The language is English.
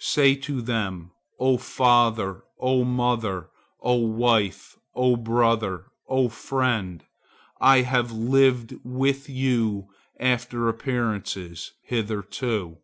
Say to them, 'O father, O mother, O wife, O brother, O friend, I have lived with you after appearances hitherto.